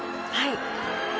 はい。